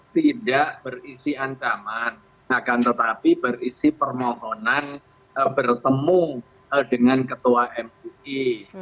tidak berisi ancaman akan tetapi berisi permohonan bertemu dengan ketua mui